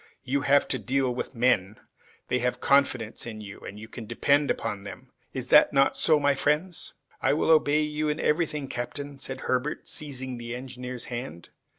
"You have to deal with men. They have confidence in you, and you can depend upon them. Is it not so, my friends?" "I will obey you in everything, captain," said Herbert, seizing the engineer's hand.